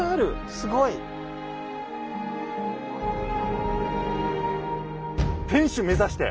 すごい！天主目指して！